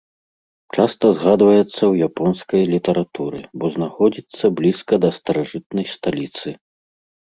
Часта згадваецца ў японскай літаратуры, бо знаходзіцца блізка да старажытнай сталіцы.